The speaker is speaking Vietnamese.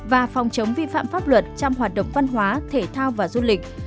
và phòng chống vi phạm pháp luật trong hoạt động văn hóa thể thao và du lịch